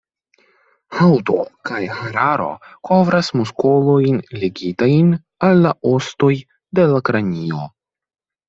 Haŭto kaj hararo kovras muskolojn ligitajn al la ostoj de la kranio.